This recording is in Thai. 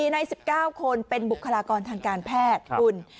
ใน๑๙คนเป็นบุคลากรทางการแพทย์คุณ